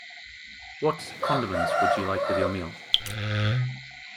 What condiments would you like with your meal?